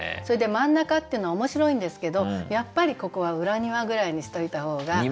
それで「真ん中」っていうの面白いんですけどやっぱりここは「裏庭」ぐらいにしといた方が。